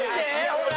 ほら。